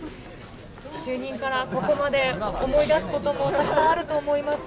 就任からここまで思い出すこともたくさんあると思います。